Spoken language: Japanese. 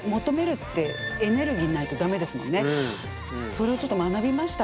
それをちょっと学びましたわ。